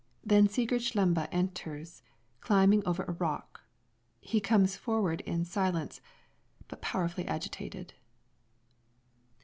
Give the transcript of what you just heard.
Then_ Sigurd Slembe _enters, climbing over a rock; he comes forward in silence, but powerfully agitated.